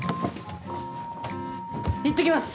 いってきます！